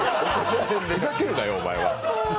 ふざけるなよ、お前は。